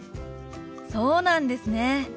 そうなんですね。